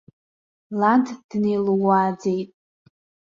Лад днеилууааӡеит.